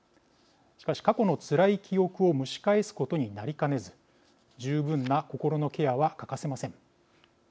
しかし、過去のつらい記憶を蒸し返すことになりかねず十分な心のケアは欠かせません。